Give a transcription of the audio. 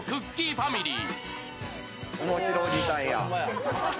ファミリー。